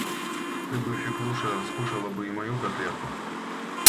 Ты бы, Феклуша, скушала бы и мою котлетку